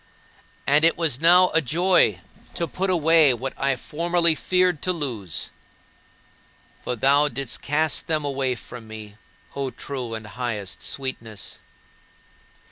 And it was now a joy to put away what I formerly feared to lose. For thou didst cast them away from me, O true and highest Sweetness.